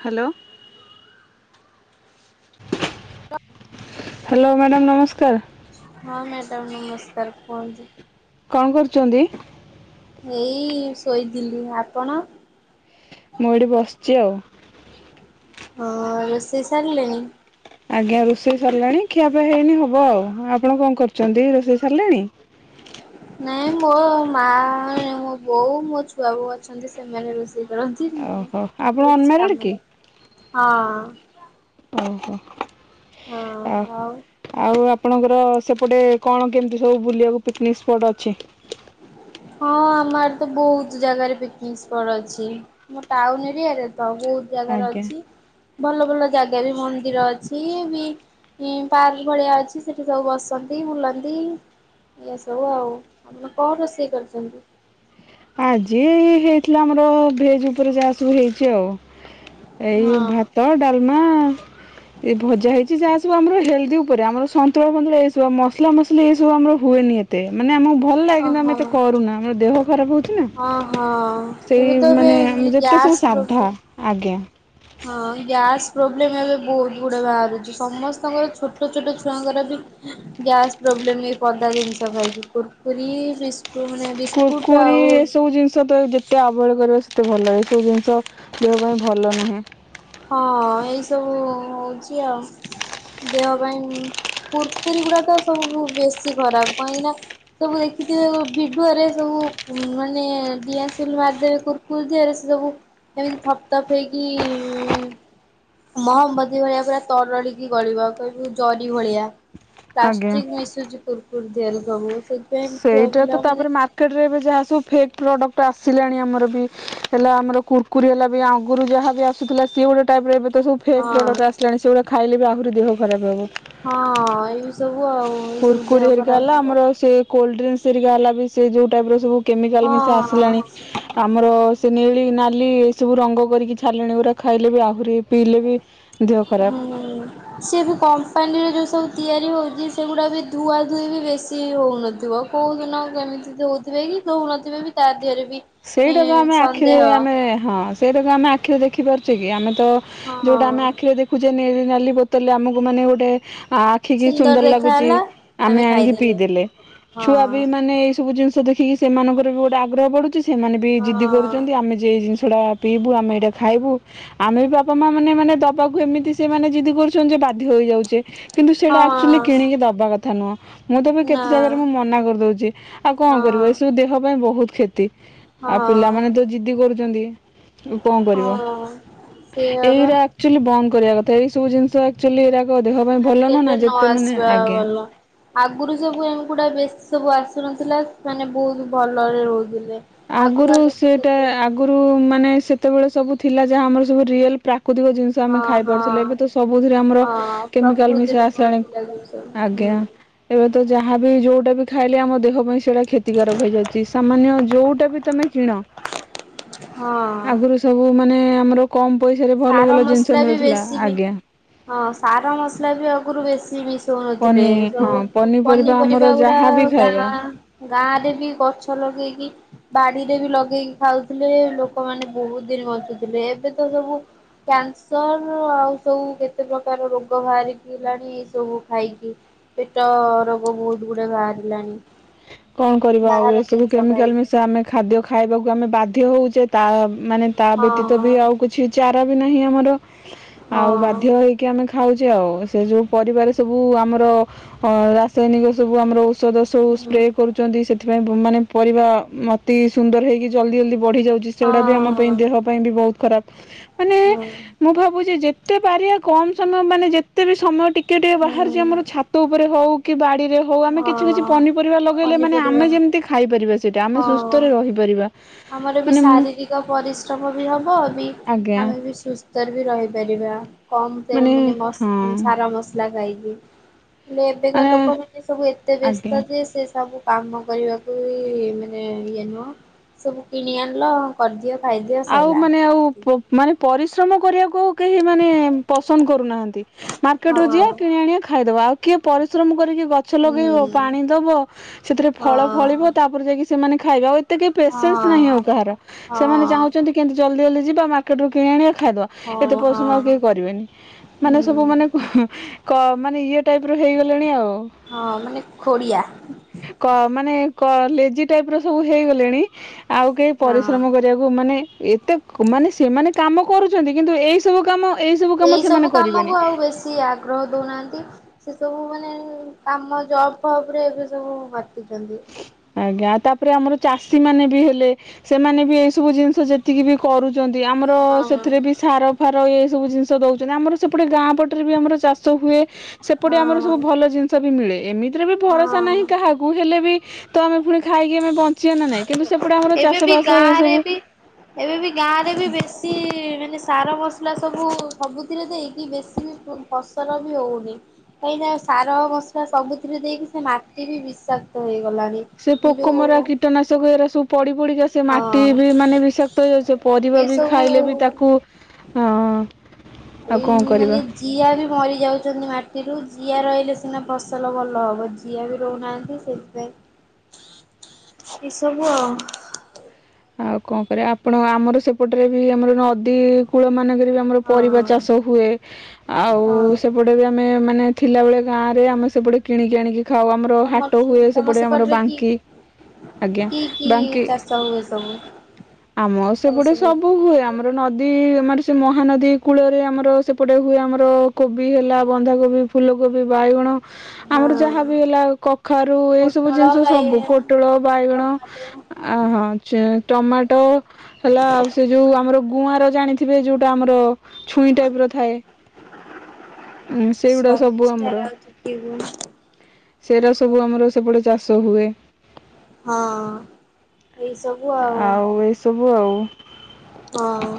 [inaudible] Hello. କ hello madam ନମସ୍କାର। ହଁ ମ୍ୟାଡ଼ାମ ନମସ୍କାର କୁହନ୍ତୁ। କଣ କରୁଛନ୍ତି? ଏଇ ଶୋଇଥିଲି ଆପଣ? ମୁଁ ଏଠି ବସିଛି ଆଉ। ହଁ ରୋଷେଇ ସାରିଲେଣିି? ଆଜ୍ଞା ରୋଷେଇ ସାରିଲାଣି ଖିଆପିଆ ହେଇନି ହବ ଆଉ ଆପଣ କଣ କରୁଛନ୍ତି ରୋଷେଇ ସାରିଲେଣି? ନାଇଁ ମୋ ମା ମୋ ବୋଉ ମୋ ଛୁଆ ବୋଉ ଅଛନ୍ତି ସେମାନେ ରୋଷେଇ କରନ୍ତି ମୁଁ ଓହୋ ଆପଣ ମୋର କିଛି ଅନମ୍ୟାରେଡ କି? କାମନାହିଁ ହଁ। ଓହୋ। ଅ ଆଉ ଆପ ଆପଣଙ୍କର ସେପଟେ କଣ କେମିତି ସବୁ ବୁଲିବାକୁ ପିକ୍ନିକ୍ ସ୍ପଟ ଅଛି? ହଁ ଆମର ତ ବହୁତ ଜାଗାରେ ପିକନିକ ସ୍ପଟ ଅଛି ଆ ଟାଉନ ଏରିଆରେ ତ ବହୁତ ଜାଗାର ଆଜ୍ଞା ଅଛି ଭଲ ଭଲ ଜାଗା ବି ମନ୍ଦିର ଅଛି ବି ପାର୍କ ଭଳିଆ ଅଛି ସେଠି ସବୁ ବସନ୍ତି ବୁଲନ୍ତି ଇ ସବୁ ଆଉ ଆପଣ କଣ ରୋଷେଇ କରିଛନ୍ତି। ଆଜି ହେଇଥିଲା ଆମର ଭେଜ ଉପରେ ଯା ସବୁ ହେଇଛି ଆଉ ଏଇ ହଁ ଭାତର ଡାଲ ମା ଏ ଭଜା ହେଇଛି ଯାହା ସବୁ ଆମର ହେଲ୍ଦି ଉପରେ ଆମର ସନ୍ତୁଳା ଫନ୍ତୁଳା ଏସବୁ ମସଲା ମସଲି ଏସବୁ ଆମର ହୁଏନି ଏତେ ମାନେ ଆମ ଭଲ ଲାଗେନ ଆମେ ଓହୋ ଏ ତ କରୁନା ଆମ ଦେହ ଖର ବହୁ ହଁ ହଁ ଏବେ ତ ଏବେ ମାନେ ଆମେ ଯେତେ ଗ୍ୟା ସବୁ ସାଧା ପ୍ରବ୍ଲେମ୍। ଆଜ୍ଞା ହଁ ଗ୍ୟାସ ପ୍ରୋବ୍ଲେମ ଏବେ ବହୁତ ଗୁଡା ବାହାରୁଛି ସମସ୍ତଙ୍କର ଛୋଟ ଛୋଟ ଛୁଆଙ୍କର ବି ଗ୍ୟାସ ପ୍ରୋବ୍ଲେମ ଏଇ ପଦା ଜିନିଷ ଖାଇକି କୁରକୁରି ଵି କୁରକୁରି ଏସବୁ ଜିନିଷ ତ ଯେତେ ଆ ଭେଟ କରିବା ସେତେ ଭଲ ଲାଗେ ସବୁ ଜିନିଷ ଦେହ ପାଇଁ ଭଲ ନୁହେଁ। ହଁ ଏଇ ସବୁ ହଉଛି ଆଉ ଦେହ ପାଇଁ କୁୁରକୁରି ଗୁଡା ତ ସବୁ ବେଶୀ ଖରାପ କାହିଁକିନା ସବୁ ଦେଖିଥିବେ ଭିଡୁଆରେ ସବୁ ମାନେ ଡିଲ ମାରିଦେବେ କୁୁରକୁରି ଦେହରେ ସେ ସବୁ ଏମିତି ଥପ୍ଥଥପ୍ ହେଇକି ହୁଁ ମହମବତୀ ଭଳିଆ ପୁରା ତରଳିକି ଗଳିବ କହିବୁ ଜରି ଭଳିଆ ଆଜ୍ଞା ପ୍ଲାଷ୍ଟିକ ମିସୁଛି ଫୁଲ୍ [unintelligible] ସେଇଟା ତ ତାପରେ ମାର୍କେଟ ରେ ଏବେ ଯାହା ସବୁ ଫେଗ୍ ପ୍ରଡ଼କ୍ଟ ଆସିଲାଣି ଆମର ବି ହେଲା ଆମର କୁରକୁରି ହେଲା ବି ଆଗରୁ ଯାହାବି ଆସୁଥିଲା ସି ଗୋଟେ ଟାଇପ୍ର ଏବେ ତ ଫେକ ହଁ ପ୍ରଡକ୍ଟସ ଆସିଲାଣି ସେଗୁଡାକ ଖାଇଲେ ବି ଆହୁରି ଦେହ ଖରାପ ହେବ। ହଁ ଏଇ ସବୁ ଆଉ ଏ ସବୁ ଦେହ ଖରାପ ହବ। କୋଲଡ୍ରିଙ୍କ ସେରିକା ହେଲା ବି ସେ ଯଉ ଟାଇପ୍ ର ସବୁ କେମିକାଲ ମିଶା ହଁ ଆସିଲାଣି ଆମର ସେ ନେଳି ନାଲି ଏ ସବୁ ରଙ୍ଗ କରିକି ଛାିଲଣି ଗଡା ଖାଇଲେ ବି ଆହୁରି ପିଇଲେ ବି ଦେହ ଖରାପ। ହୁଁ ସିଏ ବି କମ୍ପାନୀର ଜଉ ସବୁ ତିଆରି ହେଉଛି ସେଗୁଡ଼ା ବି ଧୁଆ ଧୋଇଇ ବି ବେଶୀ ହେଉନଥିବ କେଉଁ ଦିନ କେମିତି ଦେଉଥିବେ କି ଦେଉନଥିବେ ବି ତା ଦେହରେ ବି ସେଇଟା ଏଁ ଆମେ ଆଖିରେ ସନ୍ଦେହ ଆମେ ହଁ ସେଇଟା ଆମେ ଆଖିରେ ଦେଖିପାରୁ ସେ କି ଆମେ ତ ଯୋଉଟା ଆମେ ହଁ ଆଖିରେ ଦେଖୁଛେ ନେଇ ନାଲି ବୋତଲରେ ଆମକୁ ମାନେ ଗୋଟେ ଆ ଆଖି କି ସୁନ୍ଦର ଲାଗୁଛି ଆମେ ଆଣିକି ପିଇଦେଲେ ଛୁଆ ହଁ। ବି ମାନେ ଏଇ ସବୁ ଜିନି ଦେଖିକି ସେମାନଙ୍କର ବି ଗୋଟେ ଆଗ୍ରହ ବଢୁଚି ସେମାନେ ବି ଜିଦି ହଁ କରୁଛନ୍ତି ଆମେ ଯ ଜିନିଷ ଛଡା ପିଇବୁ ଆମେ ଏଇଟା ଖାଇବୁ ଆମେ ବି ବାପା ମା ମାନେ ମାନେ ଦବାକୁ ଏମିତି ସେମାନେେ ଜିଦି କରୁଛନ୍ତି ଯେ ବା ଦ୍ୟ ହେଇଯାଉଚେ କିନ୍ତୁ ଆକୁଚିଲି ହଁ କିଣିକି ଦବା କଥା ଥାନ ମୁଁ ତ ବି ନା କେତେ ଜାଗାରେ ମୁଁ ମନା କରିଦେଉଛି ଆଉ କଣ ହଁ କରିବ ଏସବୁ ଦେହ ପାଇଁ ବହୁତ ଖେତି ଆଉ ହଁ ପିଲାମାନେ ତ ଜିଦି କରୁଛନ୍ତି କଣ କରିବ ହଁ ସେଇଆ ବା ଏଇା ଆଚୁଲି ବନ୍ଦ କରିବା କଥା ଏଇବୁ ଜିନିଷ ଆକୁଚିଲି ଏରାକ ଦେହ ପାଇଁ ଭଲ ନୁହଁ ନା ମାର୍କେଟରେ ନ ଯେତେ ମାନେ ଆସିବା ଆଜ୍ଞା ଭଲ ଆଗରୁ ସବୁ ଏଗୁଡ଼ା ବେଶୀ ସବୁ ଆସୁନଥିଲା ମାନେ ବହୁତ ଭଲରେ ରହୁଥି ଆଗରୁ ସେଟା ଆଗରୁ ମାନେ ସେ କେତେବେଳେ ସବୁ ଥିଲା ଯା ଆମର ସବୁ ରିଏଲାକ୍ ପ୍ରା ପ୍ରାକୃତିକ ଜିନିଷ ଆମେ ଖାଇ ହଁ ପାରୁଥିଲେ ଏବେ ତ ସବୁଥିରେ ଆମର ହଁ କେମିକାଲ ମିଶାଇ ପ୍ରକୃତିରେ ଆସିଲାଣି ମରୁଥିଲା ଯୋଉ ସବୁ ଆଜ୍ଞା ହୁଁ ଏବେ ତ ଯାହାବ ଯୋଉଟା ବି ଖାଇଲେ ଆମ ଦେଖ ପାଇଁ ସେଇଟା କ୍ଷତିକାରକ ହେଇଯାଉଛି ସାମାନ୍ୟ ଯଉଁ ତମେ କିଣ ହଁ ଆଗରୁ ସବୁ ମାନେ ଆମର କମ ପଇସାରେ ଭଲ ସାର ଭଲ ଜିନିଷ ମସଲା ବି ମିଳୁଥିଲା ବେଶୀ ବି ଆଜ୍ଞା। ହଁ ସାର ମସଲା ବି ଆଗରୁ ବେଶି ମିଶି ଶୁଣୁଥିଲେ ପନି ହଁ ସବୁ ଆମର ପନିପରିବା ଗୁଡ଼ା ଯାହାବି ଖାଇବା ଗାଁ ଗାଁରେ ବି ଗଛ ଲଗେଇକି ବାଡିରେ ବି ଲଗେଇକି ଖାଉଥିଲେ ଲୋକମାନେ ବହୁତ ଦିନ ବଞ୍ଚୁଥିଲେ ଏବେ ତ ସବୁ କ୍ୟାନସର ଆଉ ସବୁ କେତେ ପ୍ରକାର ରୋଗ ବାହାରିଲାଣି ଏ ସବୁ ଖାଇକି ପେଟ ରୋଗ ବହୁତ ଗୁଡାଏ ବାହାରିଲାଣି। କଣ କରିବା ଆଉ ବାହାର ଏସବୁ ଜିନିଷ କେମିକାଲ ଖାଇକି। ମିଶା ଆମେ ଖାଦ୍ୟ ଖାଇବାକୁ ଆମେ ବାଧ୍ୟ ହଉଛୁ। ଯେ ତା ମାନେ ତା ବ୍ୟତୀତ ବି ହଁ ଆଉ କିଛି ଚା ବାଟ ବି ନାହିଁ ଆମର। ହଁ ଆଉ ବାଧ୍ୟ ହେଇକି ଆମେ ଖାଉଛି ଆଉ ସେ ଯୋଉ ପରିବାର ସବୁ ଆମର ଅ ରାସାୟନିକ ସବୁ ଆମର ହଁ [unintelligible] କରୁଛନ୍ତି ସେଥିପାଇଁ ମାନେ ପରିବା ମତି ସୁନ୍ଦର ହେଇକି ଜଲଦି ଜଲଦି ବଢି ଯାଉଛି ସେଗୁଡା ବି ଆମ ପାଇଁ ହଁ ଦେହ ପାଇଁ ବି ବହୁତ ଖରାପ ମାନେ ହଁ। ମୁଁ ଭାବୁଛି ଯେ ତେ ପାରିବା କମ ସମୟ ମାନେ ଯେ କେତେ ବି ସମୟ ଟିକେ ଟିକେ ବାହାରିଛି ଆମର ହୁଁ। ଛାତ ଉପରେ ହଉ କି ବା ରେ ହଉ ଆମେ କିଛି ହଁ କିଛି ପନି ପରିବା ଲଗେଇଲେ ମାନେ ପନିପରିବା ଆମେ ଯେମିତି ଖାଇପାରିବା ସେଇଟା ଆମେ ହଁ ସୁସ୍ଥରେ ରହିପାରିବା ଆମର ବି ମାନେ ମୁଁ ଶାରୀରିକ ପରିଶ୍ରମ ବି ହବ ବି ଆଜ୍ଞା। ଆମେ [unintelligible] ବି ରହିପାରିବା। କମ ତେଲ ମାନେ ହଁ ମାନେ ସାର ମସଲା ଖାଇକି। ହ ହେଲେ ଏବେକା ମାନେ ଲୋକ ଏ ସବୁ ଏତେ ବ୍ୟସ୍ତ ଆଜ୍ଞା ଯେ ସେ ସବୁ ସୁ କାମ କରିବାକୁ ମାନେ ଇଏ ନୁହଁ ସବୁ କିଣି ଆଣିଲ କରିଦିଅ। ଖାଇଦିଅ ଆଉ ସଇଲା। ମାନେ ଆଉ ଉ ମାନେ ପରି ରିଶ୍ରମ କରିବାକୁ ଆଉ କେହି ମାନେ ପସନ୍ଦ କରୁନାହାନ୍ତି ମାର୍କେଟ ହଁ ର ଯିବା କିଣି ଆଣିବା ଖାଇଦବା ଆଉ କିଏ ପରିଶ୍ରମ କରିକି ଗଛ ହୁଁ ଲଗେଇବ ପାଣି ଦବ ସେଥିରେ ଫଳ ଫଳିବ ହଁ। ତାପରେ ଯାଇକି ସେମାନେ ଖାଇବା ଉ ଏତେ କେ ହଁ ପେସେନ୍ସ ନାହିଁ ଆଉ କାହାର ହଁ ସେମାନେ ଚାହୁଁ କେମ୍ ତି ଜଲଦି ଜଲ ଦି ଯିବା ମାର୍କେଟରୁୁ କିଣ ଆଣିବା ଖାଇଦବା ଏତେ ହଁ ପଶନ୍ଦ ଆଉ ହଁ କେହି କରିବେନି ମାନେ ହୁଁ ସବୁ ମାନେ ମାନେ ଇଏ ଟାଇପ ର ହେଇଗଲେଣି ଆଉ ହଁ ମାନେ ଖୋଡ଼ିଆ। କ ମାନେ କ ଲେଜି ଟାଇପର ସବୁ ହେଇଗଲେଣି ଆଉ କେହି ହଁ ପରିଶ୍ରମ କରିବାକୁ ମାନେ- ଏତେ ମାନେ ସେମାନେ କାମ କରୁଛନ୍ତି କିନ୍ତୁ ଏଇ ସବୁ କାମ କାମ ଏଇ ସେମାନେ ସବୁ କରିବେନି। କାମକୁ ଆଉ ବେଶୀ ଆଗ୍ରହ ଦଉନାହାନ୍ତି ସେ। ସବୁ ମାନେ କାମ ଜବ୍ ଫବ ରେ ଏବେ ସବୁ କରି ଆଜ୍ଞା ତା ଆମର ଚାଷୀ ମାନେ ବି ହେଲେ ସେମାନେ ବି ଏଇ ସବୁ ଜିନିଷ ଯେତିକି ବି କରୁ ଆମର ହଁ ସେଥିରେ ବି ସାର ଫାର ଏ ସବୁ ଜିନିଷ ଚାଷ ଦଉଛନ୍ତି ଆମର ସେପଟେ ଗାଁ ପଟରେ ବି ଆମର ଚାଷ ହୁଏ। ସେପଟେ ଆମର ହଁ ସବୁ ଭଲ ଜିନିଷ ବି ମିଳେ। ଏମି ଥିରେ ବି ଭରସା ହଁ ନାହିଁ କାହାକୁ ହେଲେ ବି ତ ଆମେ ପୁରଣି ଖାଇକି ଆମେ ବଞ୍ଚିବା ନା ନାଇଁ କିନ୍ତୁ ସେପଟେ ଆମର ଏବେ ଚାଷ ବି ବାସ ଏଇ ଗାଁ ରେ ସବୁ ବି ଏବେ ବି ଗାଁ ରେ ଆଉ। ବି ବେଶୀ ମାନେ ସାର ମସଲା ସବୁ ସବୁଥିରେ ଦେଇକି ବେଶୀ ବି ଫସଲ ବି ହଉନି କାହିଁକିନା ସାର ମସଲା ସବୁଥିରେ ଦେଇକି ସେ ମାଟି ବି ବିଷାକ୍ତ ହେଇ ଗଲାଣି। କମରା କୀଟନାଶକ ଏରା ସବୁ ପଡ଼ିପଡ଼ିକା ସେ ମାଟି ହଁ ବି ମାନେ ବିଷାକ୍ତ ହେଇଯାଉଛି ପରିବା ବି ଖାଇଲେ ବି ତାକୁ ଏ ଆଉ କଣ ମାନେ କରିବା। ଜିଆ ବି ମରି ଯାଉଛନ୍ତି ମାଟି ସେଥିରୁ ଜିଆ ରହିଲେ ସିନା ଫସଲ ଭଲ ହବ ଜିଆ ବି ରହୁନାହାନ୍ତି ସେଥିପାଇଁ ଏ ସବୁ ଆଉ। ଆଉ କଣ କରିବା ଆପଣ ଆମର ସେପଟରେ ବି ଆମର ନଦୀ କୂଳ ମାନଙ୍କ ଆମର ପରିବା ଚାଷ ହଁ ହୁଏ ଆଉ ହଁ ସେପଟେ ବି ଆମେ ମାନେ ଥିଲାବେଳେ ଗାଁରେମେ ସେପଟେ କିଣିକି ଆଣିକି ଖାଉ ଆମର ତମର ହାଟ ସେ ହୁଏ ତମ ସେପଟେ ଆମର ସେପଟରେ କି ବାଙ୍କି ଆଜ୍ଞା କି କି ବାଙ୍କି ଚାଷ ହୁଏ ସବୁ ଆମ ତମ ସେପଟେ ସବୁ ସେପଟରେ ହୁଏ ଆମର ନଦୀ ଆମର ସେ ମହାନଦୀ କୂଳରେ ଆମର ସେପଟେ ହୁଏ ଆମର କୋବି ହେଲା ବନ୍ଧାକୋବି ଫୁଲକୋବି ବାଇଗଣ ଆମର ହଁ ଯାହାବି ହେଲା କଖାରୁ ଏଇ ସବୁ ପୋଟଳ ଜିନିଷ ସବୁ ବାଇଗଣ ପୋଟଳ ବାଇଗଣ ଟମାଟୋ ଅହ ଟମାଟୋ ହେଲା ଆଉ ସେ ଯୋଉ ଆମର ଗୁଆଁର ଜାଣିଥିବେ ଯୋଉଟା ଆମର ଛୁଇଁ ଟାଇପ ର ଥାଏ ସେଗୁଡା ସବୁ ସ୍ଵାଦିଷ୍ଟ ଆମର ରାଉତ କିଏ କଣ? ସେଟା ସବୁ ଆମର ସେପଟେ ଚାଷ ହୁଏ। ହଁ। ଏଇସବୁ ଆଉ। ଆଉ। ହଁ।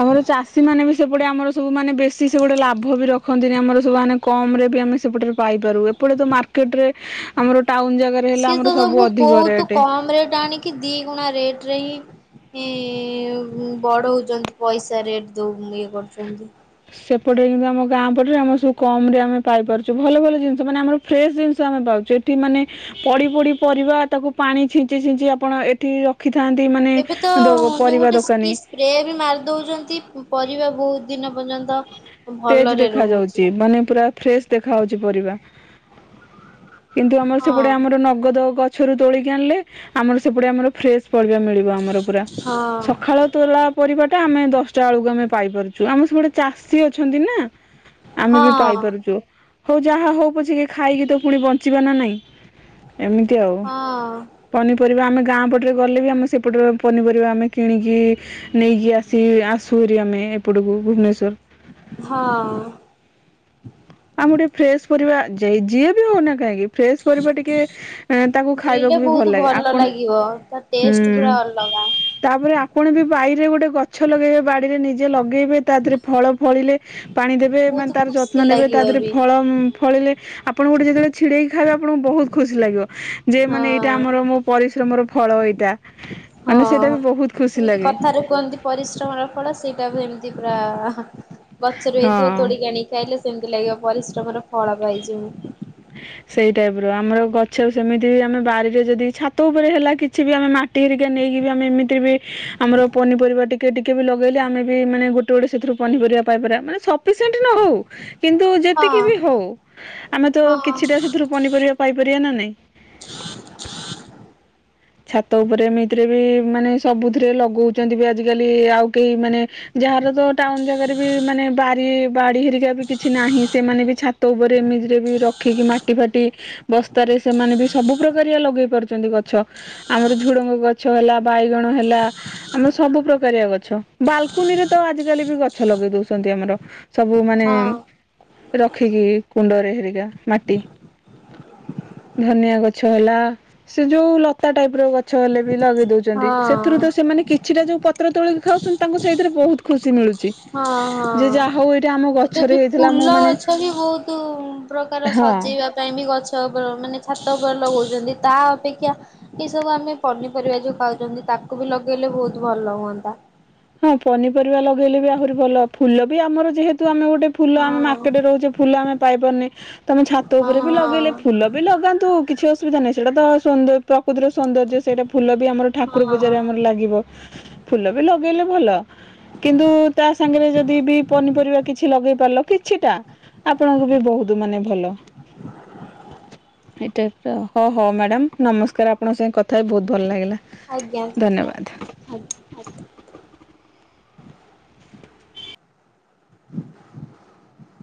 ଆମର ଚାଷୀ ମାନେ ବି ସେପଟେ ଆମର ସବୁମାନୋନେ ବେଶୀ ସେପଟେ ଲାଭ ବି ରଖନ୍ତିନି ଆମର ସବୁମାନୋନେ କମ ରେ ବି ଆମେ ସେପଟରେ ପାଇପାରୁ ଏପଟେ ତ ମାର୍କେଟ ରେ ଆମର ଟାଉନ ଜାଗାରେ ହେଲା ସିଏ ଆମର ତ ସବୁ ଅଧିକ ବହୁତ ରେଟ୍ କମ ରେଟ୍ ଆଣିକି ଦି ଗୁଣା ରେଟ ରେ ହିଁ ଁ ବଡ ହଉଛନ୍ତି ପଇସା ରେଟ ଦଉ ଇଏ କରୁଛନ୍ତି ସେପଟେ କିୁ ଆମ ଗାଁ ପଟରେ ଆମ ସବୁ କମ ରେ ଆମେ ପାଇପାରୁଛୁ ଭଲ ଭଲ ଜିନିଷ ମାନେ ଆମର ଫ୍ରେଶ ଜିନିଷ ଆମେ ପାଉଛୁ ଏଠି ମାନେ ପଡି ପଡି ପରିବା ତାକୁ ପାଣି ଛିଞ୍ଚି ଛିଞ୍ଚି ଆପଣ ଏଠି ରଖିଥାନ୍ତି ମାନେ ଏବେ ତ ଯୋଉ ପରିବା ଗୋଟେ ଦୋକାନୀ କି ସ୍ପ୍ରେ ବି ମାରି ଦଉଛନ୍ତି ପରିବା ବହୁତ ଦିନ ପଲତା ତେଜ ଦେଖା ଯାଉଛି ମାନେ ପୁରା ଫ୍ରେଶ ଦେଖା ହଉଛି ପରିବା କିନ୍ତୁ ଆମର ସେପଟେ ହଁ ଆମର ନଗଦ ଗଛ ଛରୁ ତୋଳିକି ଆଣିଲେ ଆମର ସେପଟେ ଆମର ଫ୍ରେଶ ପରିବା ମିଳିବ ଆମର ପୁରା ହଁ ସକାଳ ତୋଲା ପରିବାଟା ଆମେ ଦଶଟା ବେଳକୁ ଆମେ ପାଇପାରୁଛୁ ଆମ ସବ ଗୁଟେ ଚାଷୀ ଅଛି ଅଛନ୍ତି ନା ଆମେ ବି ହଁ ପାଇପାରୁଛୁ ହଉ ଯାହା ହଉ ପଛିିକେ ଖାଇକି ତ ପୁଣି ବଞ୍ଚିବା ନା ନାଇଁ ଏମିତି ଆଉ ହଁ। ପନିପରିବା ଆମେ ଗାଁ ପଟରେ ଗଲେ ବି ଆମେ ସେପଟରେ ପନିପରିବା ଆମେ କିଣିକି ନେଇକି ଆସି ଆସୁରି ଆମେ ଏପଟକୁ ଭୁବନେଶ୍୍ୱର ହଁ ଆମେ ଗୋଟେ ଫ୍ରେଶ ପରିବା ଯିଏ ବି ହଉନା କାହିଁକି ଫ୍ର ପର ଟିକେ ତାଙ୍କୁ ଖାଇବାକୁ ମିଳିଲେ ବି ଭଲ ବହୁତ ଲାଗେ ଆପଣ ଲାଗିବ ତା ହୁଁ ଟେଷ୍ଟ ପୁରା ଅଲଗା। ତାପରେ ଆପଣ ବି ବରେ ଗୋଟେ ଗଛ ଲଗେଇବେ ବାଡିରେଜେ ଲଗେଇବେ ତା ଦେହରେ ଫଳ ଫଳିଲେ ହ ପାଣି ଦେବେ ମାନେ ବହୁତ ତାର ଯତ୍ନ ଖୁସି ନେବେ ତା ଲାଗିବ ଦେହରେ ବି ଫଳ ଫଳିଲେ ଆପଣ ଗୋଟେ ଯେତେବେଳେ ଛିଡକି ଖାଇବେ ଆପଣଙ୍କୁ ବହୁତ ଖୁସି ଲାଗିବ ଯେ ମାନେ ଏଇଟା ହଁ। ଆମର ମୋ ପରିଶ୍ରମର ଫଳ ହୋଇଥା ହଁ କେମିତି ଲାଗେ କଥାରୁ କୁହନ୍ତି ପରିଶ୍ରମର ଫଳ ସେଇଟା ବି ଏମିତି ପୁରା ଆଃ ଗଛରୁ ହେଇଥିବ ହଁ। ତୋଳିକି ଆଣିକି ଖାଇଲେ ସେମତି ଲାଗିବ ପରିଶ୍ରମର ଫଳ ପାଇଚି ମୁଁ। ସେଇ ଟାଇପର ଆମର ଗଛ ବି ସେମିତି ଆମେ ବାରିରେ ଯଦି ଛାତ ଉପରେ ହେଲା କିଛି ବି ଆମେ ମାଟି ହେରିକା ନେଇକି ବି ଆମେ ଏମିତିରେ ବି ଆମର ପନିପରିବା ଟିକେ ଟିକେ ବି ଲଗେଇଲେ ଆମେ ବି ମାନେ ଗୋଟେ ଗୋଟେ ସେଥିରୁ ପନିପରିବା ପାଇପାରିବା ମାନେ ସପିସେଣ୍ଟ ନ ହଉ କିନ୍ତୁ ହଁ ଯେତିକି ବି ହଉ ଆମେ ତ ହଁ ହଁ। କିଛିଟା ସେଥିରୁ ପନିପରିବା ପାଇପାରିବା ନାଁ ନାଇଁ? ଛାତ ଓପରେ ଏଇତିରେ ବି ମାନେ ସବୁଥିରେ ଲଗୋଉଚନ୍ତି ବି ଆଜିକାଲି ଆଉ କେହି ମାନେ ଯାହାର ତ ଟାଉନ ଜାଗାରେ ବି ମାନେ ବାରି ବାଡ଼ି ହେରିକା ବି କିଛି ନାହିଁ ସେମାନେ ବି ଛାତ ଉପରେ ଏମିତିରେ ବି ରଖିକି ମାଟି ଫାଟି ବସ୍ତାରେ ସେମାନେ ବି ସବୁ ପ୍ରକାରିଆ ଲଗେଇ ପାରୁ ଯେନ୍ତି ଗଛ। ଧ ହେଲା ବାଇ ଦିଅଣ ହେଲା ଆମେ ସବୁ ପ୍ରକାରିଆ ଗ ଛ ବାଲକୁନିରେ ତ ଆଜିକାଲି ବି ଗଛ ଲଗେଇ ଦୋଉଚନ୍ତି ଆମର। ସବୁ ମାନେ ହଁ ରଖିକି କୁଣ୍ଡରେ ହେରିକା ମାଟି। ଧନିଆ ଗଛ ହେଲା ସେ ଯୋଉ ଲ ତା ଟାଇପ୍ ର ଗ ଛ ହେଲେ ବି ଲଗେଇ ଦୋଉଚନ୍ତି ସେଥୁରୁ ହଁ ତ ସେମାନେ କିଛିଟା ଯୋଉ ପତ୍ର ତୋଳିକି ଖାଉଛନ୍ତି ତାଙ୍କୁ ସେଇଥିରେ ବୋହୁତ ଖୁସି ମିଳୁ ହଁ ହଁ ଏବେ ଗଛରେ ବି ହେଇଥିଲା ମୁଁ ଫୁଲ ମାନେ ଗଛ ବି ବୋହୁତୁ ପ୍ରକାର ହଁ ସଜେଇବା ପାଇଁ ବି ଗଛ ତ ଓପର ମାନେ ଛାତ ଓପରେ ଲଗୋଉଚନ୍ତି ତା ଅପେକ୍ଷା ଏ ସବୁ ଆମେ ପନିପରିବା ଯୋଉ ଖାଉଚନ୍ତି ତାକୁ ବି ଲଗେଇଲେ ବୋହୁତ ଭଲ ହୁଅନ୍ତା। ହଁ ପନିପରିବା ଲଗେଇଲେ ବି ଆହୁରି ଭଲ ଫୁଲ ବି ଆମର ଯେହେ ତୁ ଆମେ ଗୋଟେ ଫୁଲ ଆମେ ହଁ। ମାର୍କେଟରେ ରହୁଚେ ଫୁଲ ଆମେ ପାଇପାରୁନେ ତମେ ଛାତ ହଁ ଉପରେ ବି ଲଗେଇଲେ ଫୁଲ ବି ଲଗାନ୍ତୁ କିଛି ଅ ସୁବିଧା ନାହିଁ ସେଡ଼ା ତ ସୁନ୍ଦ ପ୍ରକୃତିର ସୌନ୍ଦର୍ଯ୍ୟ ସେଇଟା ଫୁଲ ବି ଆମର ଠାକୁର ହଁ ପୂଜାରେ ଆମର ଲାଗିବ ଫୁଲ ବି ଲ ଭଲ କିନ୍ତୁ ତା ସାଙ୍ଗେରେ ଯଦି ବି ପନିପରିବା କିଛି ଲଗେଇ ପାରିଲ କିଛିଟା ଆପଣଙ୍କୁ ବି ବୋହୁତ ମାନେ ଭଲ। ଏଇ ଟାଇପର ଆଉ ହ ହଉ ମାଡ଼ାମ ନମସ୍କାର ଆପଣଙ୍କ ସାଙ୍ଗେ କଥା ହେଇ ଭୋଉତ୍ ଭଲ ଲାଗିଲା। ଆଜ୍ଞା ଆଜ୍ଞା। ଧନ୍ୟବାଦ। [unintelligible]